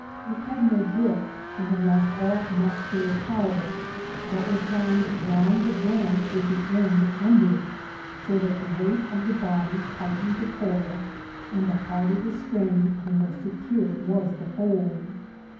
It had no grip, and had lost all muscular power, but was wound round the branch with the end under, so that the weight of the body tightened the coil, and the hard er the strain, the more secure was the hold.